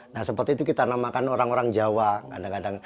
nah seperti itu kita namakan orang orang jawa kadang kadang